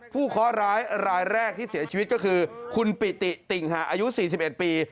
เคาะร้ายรายแรกที่เสียชีวิตก็คือคุณปิติติ่งหาอายุ๔๑ปี